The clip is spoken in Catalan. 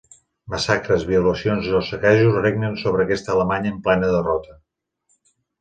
Massacres, violacions o saquejos regnen sobre aquesta Alemanya en plena derrota.